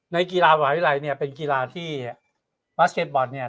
ในกีฬามหาวิทยาลัยเนี่ยเป็นกีฬาที่บาสเก็ตบอลเนี่ย